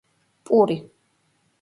პური